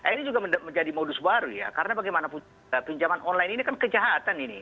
ini juga menjadi modus baru ya karena bagaimanapun pinjaman online ini kan kejahatan ini